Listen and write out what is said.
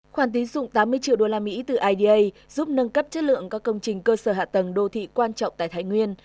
khoản tín dụng tám mươi triệu usd từ ida giúp nâng cấp chất lượng các công trình cơ sở hạ tầng đô thị quan trọng tại thái nguyên